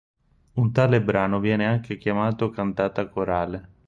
Un tale brano viene anche chiamato cantata corale.